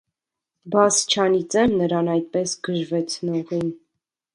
Բաս չանիծե՞մ նրան այդպես գժվեցնողին: